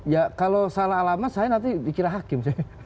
ya kalau salah alamat saya nanti pikir hakim